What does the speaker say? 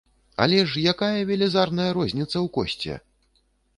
Але ж якая велізарная розніца ў кошце!